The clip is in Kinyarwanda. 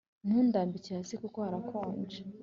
Ntundambike hasi kuko harakonje